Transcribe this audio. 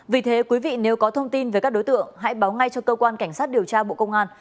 vì thế quý vị nếu có thông tin về các đối tượng hãy báo ngay cho cơ quan cảnh sát điều tra bộ công an